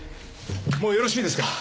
もうよろしいですか？